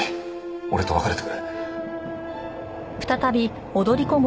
俺と別れてくれ。